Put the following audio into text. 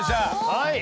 はい！